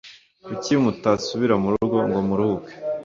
Kuki mutasubira murugo ngo muruhuke?